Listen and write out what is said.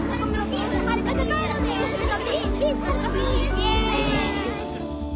イエイ！